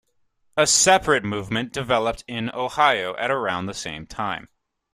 A separate movement developed in Ohio at around the same time.